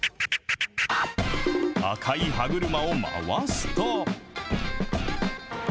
赤い歯車を回すと。